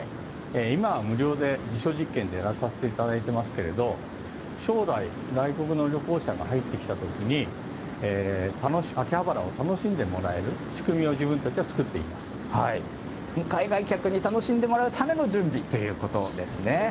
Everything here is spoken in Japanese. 今は無料で、実証実験でやらさせていただいてますけども、将来、外国の旅行者が入ってきたときに、秋葉原を楽しんでもらえる海外客に楽しんでもらうための準備ということですね。